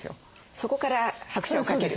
そこから拍車をかける？